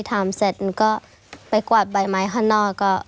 ทำเสร็จก็ไปกวาดใบไม้ข้างนอก